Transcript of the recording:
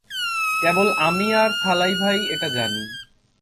কেবল আমি আর থালাইভা-ই এটা জানি।